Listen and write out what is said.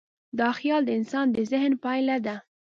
دا خیال د انسان د ذهن پایله ده.